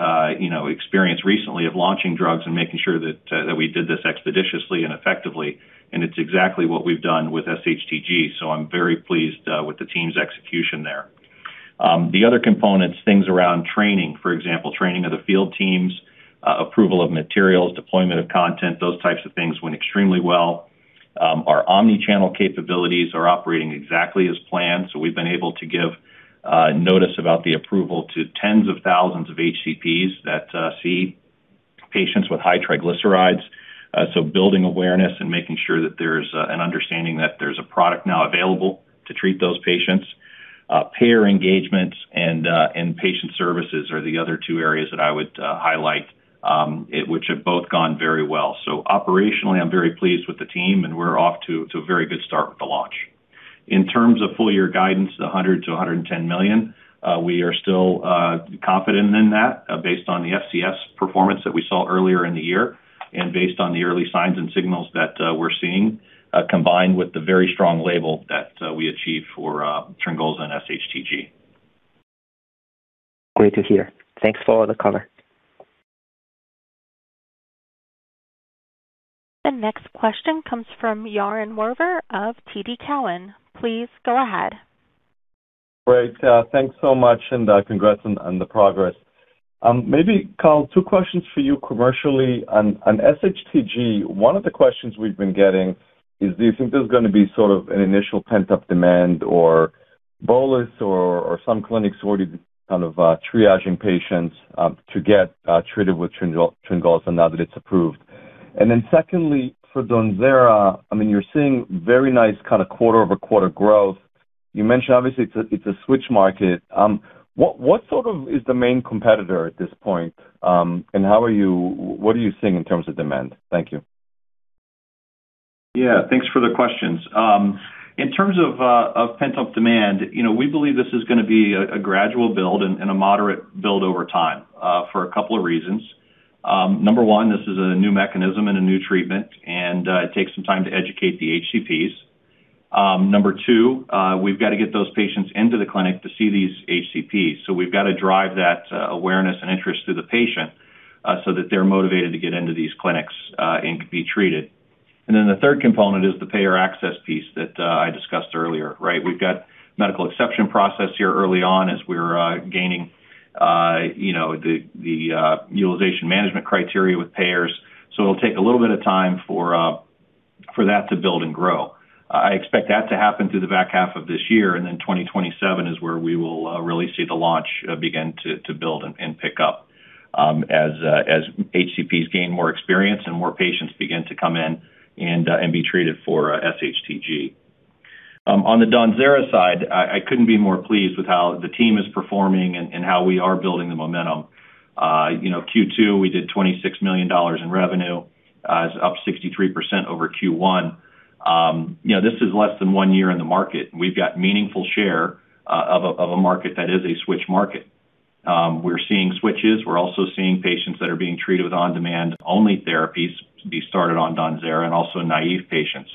experience recently of launching drugs and making sure that we did this expeditiously and effectively. It's exactly what we've done with sHTG, I'm very pleased with the team's execution there. The other components, things around training. For example, training of the field teams, approval of materials, deployment of content, those types of things went extremely well. Our omni-channel capabilities are operating exactly as planned, we've been able to give notice about the approval to tens of thousands of HCPs that see patients with high triglycerides. Building awareness and making sure that there's an understanding that there's a product now available to treat those patients. Payer engagements and patient services are the other two areas that I would highlight which have both gone very well. Operationally, I'm very pleased with the team, we're off to a very good start with the launch. In terms of full-year guidance to $100 million-$110 million, we are still confident in that based on the FCS performance that we saw earlier in the year and based on the early signs and signals that we're seeing combined with the very strong label that we achieved for TRYNGOLZA and sHTG. Great to hear. Thanks for the color. The next question comes from Yaron Werber of TD Cowen. Please go ahead. Great. Thanks so much, and congrats on the progress. Maybe Kyle, two questions for you commercially on sHTG. One of the questions we've been getting is do you think there's going to be sort of an initial pent-up demand or bolus or some clinics already kind of triaging patients to get treated with TRYNGOLZA now that it's approved? Then secondly, for DAWNZERA, you're seeing very nice kind of quarter-over-quarter growth. You mentioned obviously it's a switch market. What sort of is the main competitor at this point? What are you seeing in terms of demand? Thank you. Yeah, thanks for the questions. In terms of pent-up demand, we believe this is going to be a gradual build and a moderate build over time for a couple of reasons. Number one, this is a new mechanism and a new treatment, and it takes some time to educate the HCPs. Number two, we've got to get those patients into the clinic to see these HCPs. We've got to drive that awareness and interest to the patient so that they're motivated to get into these clinics and be treated. The third component is the payer access piece that I discussed earlier, right? We've got medical exception process here early on as we're gaining the utilization management criteria with payers. It'll take a little bit of time for that to build and grow. I expect that to happen through the back half of this year. 2027 is where we will really see the launch begin to build and pick up as HCPs gain more experience and more patients begin to come in and be treated for sHTG. On the DAWNZERA side, I couldn't be more pleased with how the team is performing and how we are building the momentum. Q2, we did $26 million in revenue. It's up 63% over Q1. This is less than one year in the market, and we've got meaningful share of a market that is a switch market. We're seeing switches. We're also seeing patients that are being treated with on-demand only therapies to be started on DAWNZERA and also naive patients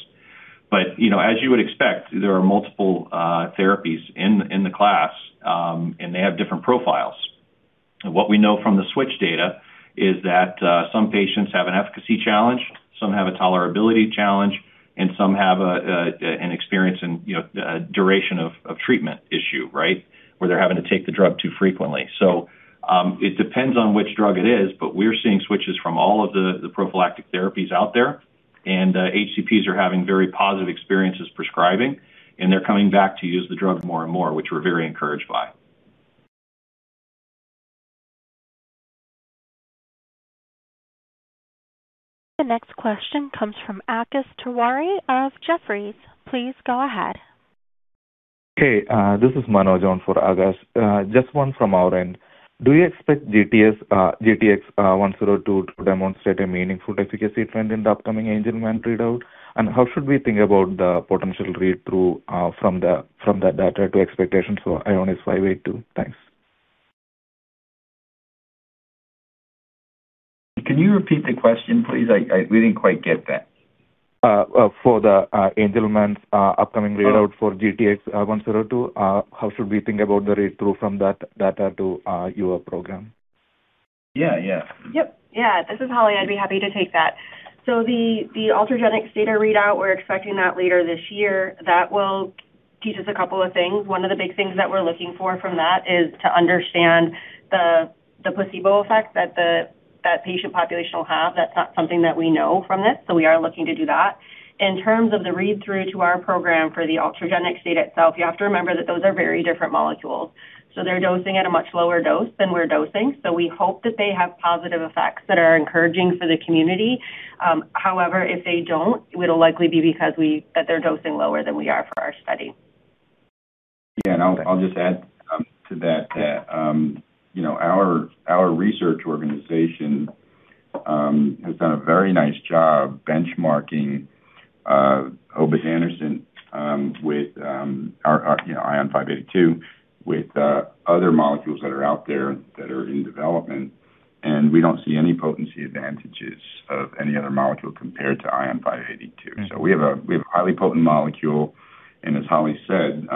As you would expect, there are multiple therapies in the class, and they have different profiles. What we know from the switch data is that some patients have an efficacy challenge, some have a tolerability challenge, and some have an experience in duration of treatment issue where they're having to take the drug too frequently. It depends on which drug it is, but we're seeing switches from all of the prophylactic therapies out there, and HCPs are having very positive experiences prescribing, and they're coming back to use the drug more and more, which we're very encouraged by. The next question comes from Akash Tewari of Jefferies. Please go ahead. Hey, this is Manoj on for Akash. Just one from our end. Do you expect GTX-102 to demonstrate a meaningful efficacy trend in the upcoming Angelman readout? How should we think about the potential read-through from that data to expectations for ION582? Thanks. Can you repeat the question, please? We didn't quite get that. For the Angelman's upcoming readout for GTX-102, how should we think about the read-through from that data to your program? Yeah. Yep. Yeah. This is Holly. I'd be happy to take that. The Ultragenyx data readout, we're expecting that later this year. That will teach us a couple of things. One of the big things that we're looking for from that is to understand the placebo effect that that patient population will have. That's not something that we know from this, so we are looking to do that. In terms of the read-through to our program for the Ultragenyx data itself, you have to remember that those are very different molecules, so they're dosing at a much lower dose than we're dosing. We hope that they have positive effects that are encouraging for the community. However, if they don't, it'll likely be because that they're dosing lower than we are for our study. I'll just add to that our research organization has done a very nice job benchmarking obudanersen with our ION582 with other molecules that are out there that are in development. We don't see any potency advantages of any other molecule compared to ION582. We have a highly potent molecule, and as Holly said,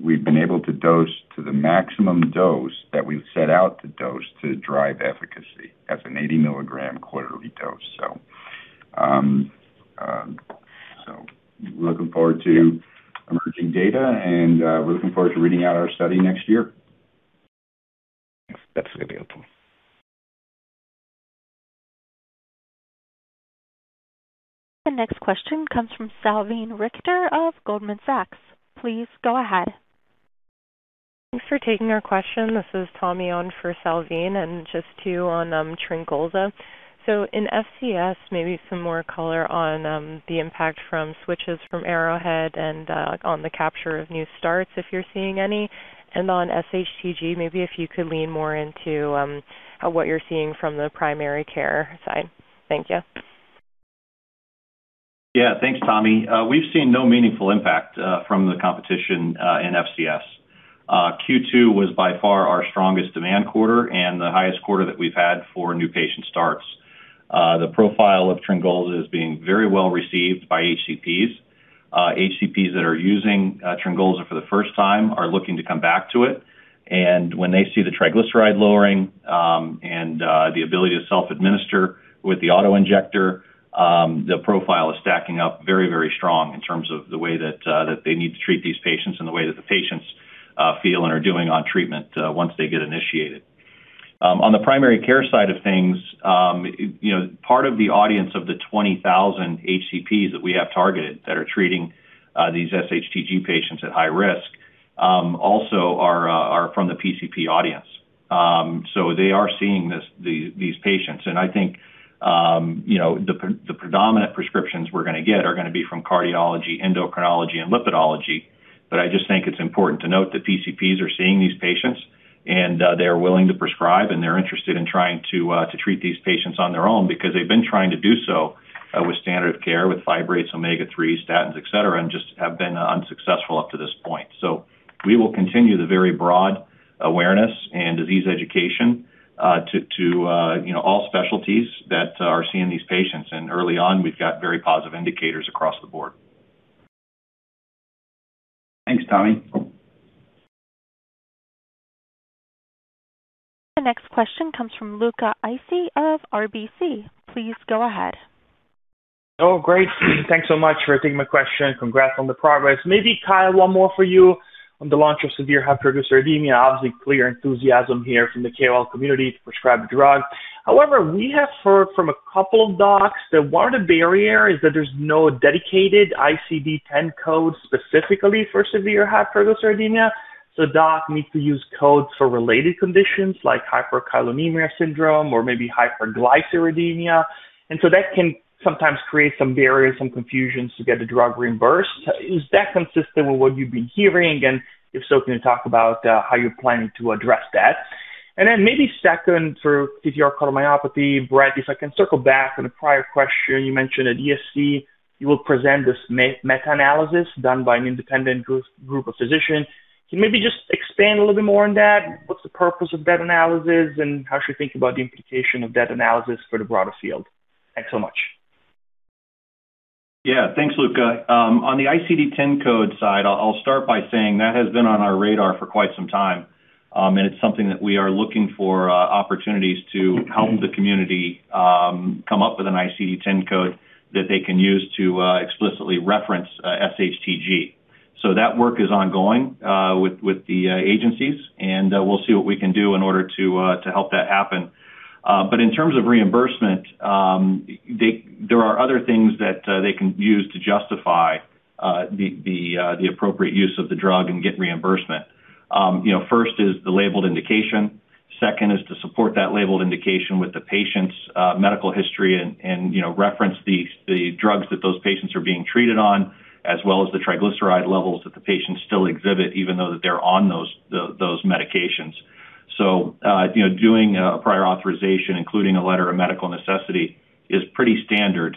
we've been able to dose to the maximum dose that we've set out to dose to drive efficacy. That's an 80 milligram quarterly dose. Looking forward to emerging data and we're looking forward to reading out our study next year. Thanks. That's really helpful. The next question comes from Salveen Richter of Goldman Sachs. Please go ahead. Thanks for taking our question. This is Tommie on for Salveen, just two on TRYNGOLZA. In FCS, maybe some more color on the impact from switches from Arrowhead and on the capture of new starts, if you're seeing any. On sHTG, maybe if you could lean more into what you're seeing from the primary care side. Thank you. Yeah. Thanks, Tommie. We've seen no meaningful impact from the competition in FCS. Q2 was by far our strongest demand quarter and the highest quarter that we've had for new patient starts. The profile of TRYNGOLZA is being very well received by HCPs. HCPs that are using TRYNGOLZA for the first time are looking to come back to it. When they see the triglyceride lowering and the ability to self-administer with the auto-injector, the profile is stacking up very strong in terms of the way that they need to treat these patients and the way that the patients feel and are doing on treatment once they get initiated. On the primary care side of things, part of the audience of the 20,000 HCPs that we have targeted that are treating these sHTG patients at high risk also are from the PCP audience. They are seeing these patients, and I think the predominant prescriptions we're going to get are going to be from cardiology, endocrinology, and lipidology. I just think it's important to note that PCPs are seeing these patients, and they're willing to prescribe, and they're interested in trying to treat these patients on their own because they've been trying to do so with standard care, with fibrates, omega-3s, statins, et cetera, and just have been unsuccessful up to this point. We will continue the very broad awareness and disease education to all specialties that are seeing these patients. Early on, we've got very positive indicators across the board. Thanks, Tommie. The next question comes from Luca Issi of RBC. Please go ahead. Oh, great. Thanks so much for taking my question. Congrats on the progress. Kyle, one more for you on the launch of severe hypertriglyceridemia. Obviously, clear enthusiasm here from the KOL community to prescribe the drug. However, we have heard from a couple of docs that one of the barrier is that there's no dedicated ICD-10 code specifically for severe hypertriglyceridemia. Doc needs to use codes for related conditions like hyperchylomicronemia syndrome or maybe hypertriglyceridemia. That can sometimes create some barriers, some confusions to get the drug reimbursed. Is that consistent with what you've been hearing? If so, can you talk about how you're planning to address that? Brett, if I can circle back on a prior question for TTR cardiomyopathy. You mentioned at ESC, you will present this meta-analysis done by an independent group of physicians. Maybe just expand a little bit more on that. What's the purpose of that analysis, and how should we think about the implication of that analysis for the broader field? Thanks so much. Yeah. Thanks, Luca. On the ICD-10 code side, I'll start by saying that has been on our radar for quite some time. It's something that we are looking for opportunities to help the community come up with an ICD-10 code that they can use to explicitly reference sHTG. That work is ongoing with the agencies and we'll see what we can do in order to help that happen. In terms of reimbursement, there are other things that they can use to justify the appropriate use of the drug and get reimbursement. First is the labeled indication. Second is to support that labeled indication with the patient's medical history and reference the drugs that those patients are being treated on, as well as the triglyceride levels that the patients still exhibit, even though they're on those medications. Doing a prior authorization, including a letter of medical necessity, is pretty standard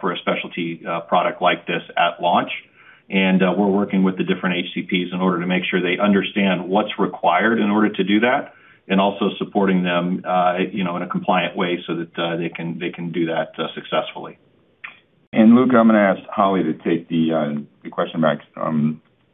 for a specialty product like this at launch. We're working with the different HCPs in order to make sure they understand what's required in order to do that, and also supporting them in a compliant way so that they can do that successfully. Luca, I'm going to ask Holly to take the question about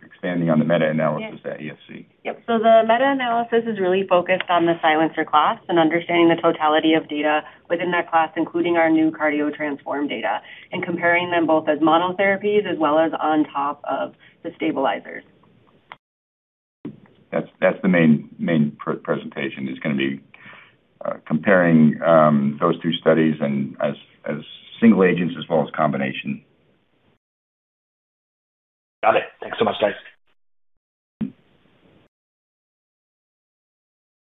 expanding on the meta-analysis at ESC. Yep. The meta-analysis is really focused on the silencer class and understanding the totality of data within that class, including our new CARDIO-TTRansform data and comparing them both as monotherapies as well as on top of the stabilizers. That's the main presentation is going to be comparing those two studies as single agents as well as combination. Got it. Thanks so much, guys.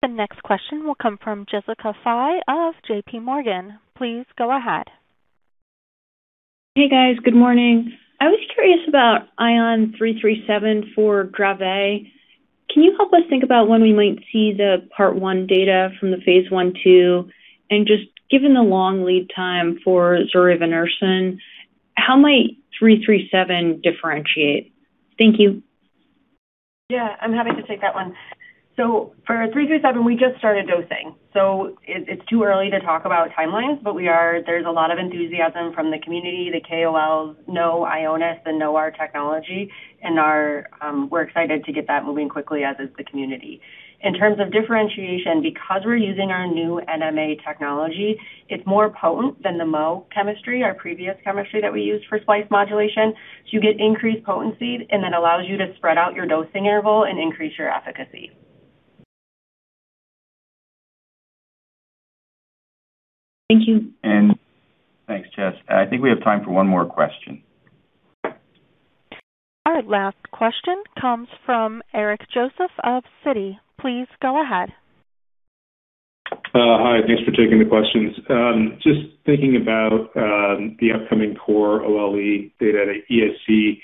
The next question will come from Jessica Fye of JPMorgan. Please go ahead. Hey, guys. Good morning. I was curious about ION337 for Dravet syndrome. Can you help us think about when we might see the part one data from the phase I/II? Just given the long lead time for zilganersen, how might 337 differentiate? Thank you. Yeah, I'm happy to take that one. For 337, we just started dosing. It's too early to talk about timelines, but there's a lot of enthusiasm from the community. The KOLs know Ionis and know our technology and we're excited to get that moving quickly, as is the community. In terms of differentiation, because we're using our new NMA technology, it's more potent than the MOE chemistry, our previous chemistry that we used for splice modulation. That allows you to spread out your dosing interval and increase your efficacy. Thank you. Thanks, Jess. I think we have time for one more question. Our last question comes from Eric Joseph of Citi. Please go ahead. Hi. Thanks for taking the questions. Just thinking about the upcoming CORE OLE data at ESC.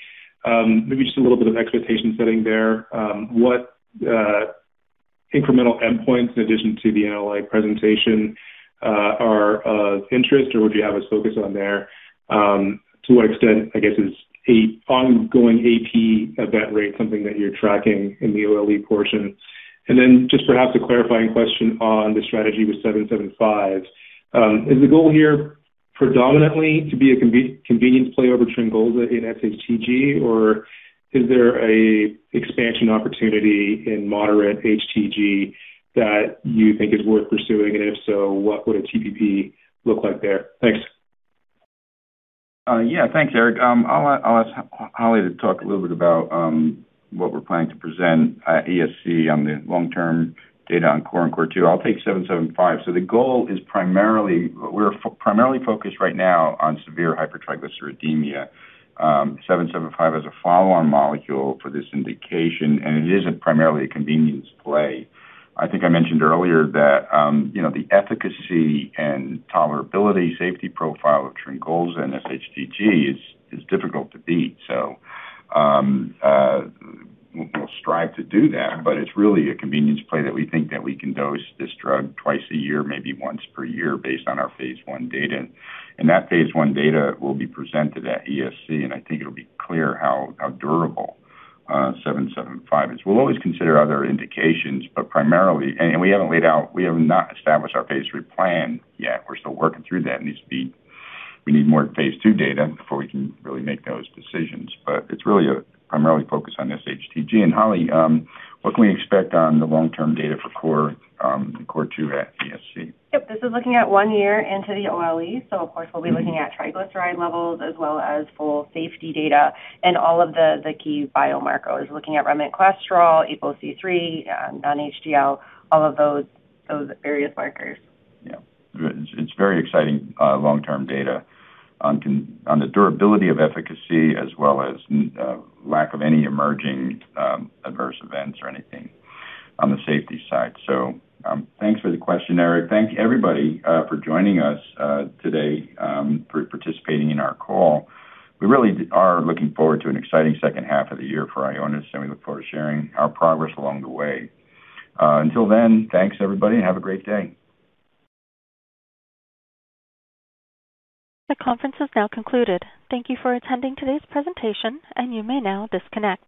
Maybe just a little bit of expectation setting there. What incremental endpoints in addition to the NLA presentation are of interest or would you have us focus on there? To what extent, I guess, is a ongoing AP event rate something that you're tracking in the OLE portion? Then just perhaps a clarifying question on the strategy with 775. Is the goal here predominantly to be a convenience play over TRYNGOLZA in sHTG or is there a expansion opportunity in moderate HTG that you think is worth pursuing? If so, what would a TPP look like there? Thanks. Yeah. Thanks, Eric. I'll ask Holly to talk a little bit about what we're planning to present at ESC on the long-term data on CORE and CORE2. I'll take 775. We're primarily focused right now on severe hypertriglyceridemia. 775 is a follow-on molecule for this indication, and it isn't primarily a convenience play. I think I mentioned earlier that the efficacy and tolerability safety profile of TRYNGOLZA and sHTG is difficult to beat. We'll strive to do that, but it's really a convenience play that we think that we can dose this drug twice a year, maybe once per year based on our phase I data. That phase I data will be presented at ESC, and I think it'll be clear how durable 775 is. We'll always consider other indications, but primarily. We have not established our phase III plan yet. We're still working through that. We need more phase II data before we can really make those decisions. It's really primarily focused on sHTG. Holly, what can we expect on the long-term data for CORE2 at ESC? Yep. This is looking at one year into the OLEs. Of course, we'll be looking at triglyceride levels as well as full safety data and all of the key biomarkers. Looking at remnant cholesterol, APOC3, non-HDL, all of those various markers. Yeah. It's very exciting long-term data on the durability of efficacy as well as lack of any emerging adverse events or anything on the safety side. Thanks for the question, Eric. Thank you everybody for joining us today for participating in our call. We really are looking forward to an exciting second half of the year for Ionis, We look forward to sharing our progress along the way. Until then, thanks everybody and have a great day. The conference is now concluded. Thank you for attending today's presentation, You may now disconnect.